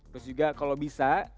terus juga kalau bisa